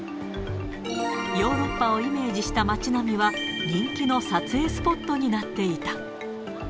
ヨーロッパをイメージした街並みは、人気の撮影スポットになっていた。